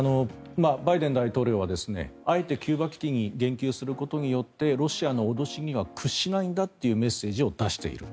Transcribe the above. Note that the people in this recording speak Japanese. バイデン大統領はあえてキューバ危機に言及することによってロシアの脅しには屈しないんだというメッセージを出している。